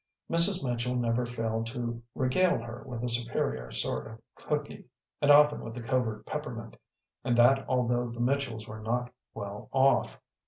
Mrs. Mitchell never failed to regale her with a superior sort of cooky, and often with a covert peppermint, and that although the Mitchells were not well off.